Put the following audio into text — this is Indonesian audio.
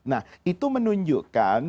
nah itu menunjukkan